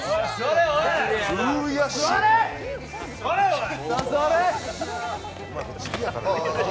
座れ、おい！